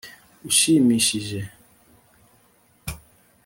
ushimishije